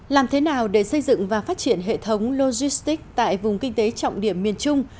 làm thế nào để xây dựng và phát triển hệ thống logistic tại vùng kinh tế trọng điểm miền trung